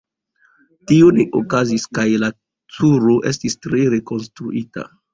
Tio ne okazis kaj la turo estis tre rekonstruita.